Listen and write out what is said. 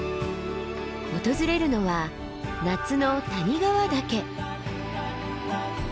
訪れるのは夏の谷川岳。